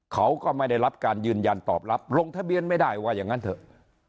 เขาก็ไม่ได้รับการยืนยันตอบรับลงทะเบียนไม่ได้ว่าอย่างนั้นเถอะ